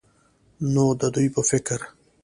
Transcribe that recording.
نو د دوي په فکر